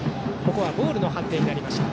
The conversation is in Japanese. ここはボールの判定になりました。